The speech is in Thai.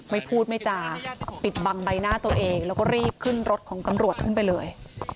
ไม่พูดไม่จาปิดบังใบหน้าตัวเองแล้วก็รีบขึ้นรถของตำรวจขึ้นไปเลย